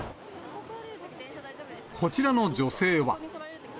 こちらの女性は。